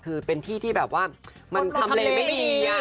คือเป็นที่ที่แบบว่ามันทำเลไม่ดี